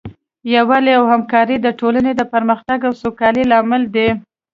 یووالی او همکاري د ټولنې د پرمختګ او سوکالۍ لامل دی.